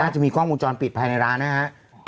จะมีกล้องวงจรปิดภายในร้านนะครับ